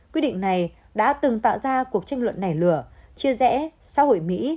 quyết định này đã từng tạo ra cuộc tranh luận nảy lửa chia rẽ xã hội mỹ